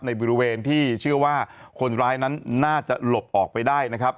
ในบริเวณที่เชื่อว่าคนร้ายนั้นน่าจะหลบออกไปได้นะครับ